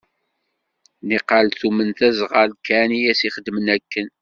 Niqal tumen d azɣal kan i as-ixedmen akken.